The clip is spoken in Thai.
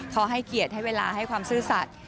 เขาให้เกียรติให้เวลาให้ความซื่อสัตว์